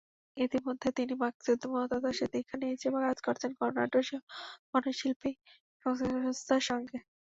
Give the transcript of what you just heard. ইতিমধ্যে তিনি মার্ক্সীয় মতাদর্শে দীক্ষা নিয়েছেন, কাজ করেছেন গণনাট্য গণশিল্পী সংস্থার সঙ্গে।